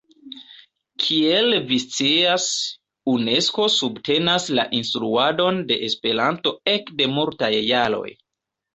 Kiel vi scias, Unesko subtenas la instruadon de Esperanto ekde multaj jaroj.